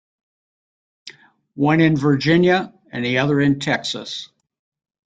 One in Virginia and the other in Texas.